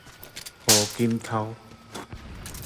胡錦濤